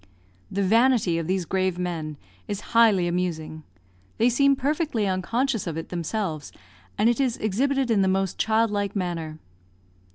The vanity of these grave men is highly amusing. They seem perfectly unconscious of it themselves and it is exhibited in the most child like manner.